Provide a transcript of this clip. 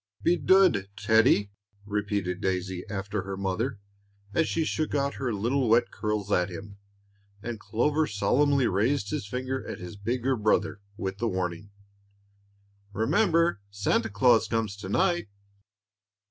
"Be dood, Teddie," repeated Daisy, after her mother, as she shook out her little wet curls at him, and Clover solemnly raised his finger at his bigger brother, with the warning, "Remember, Santa Claus comes to night."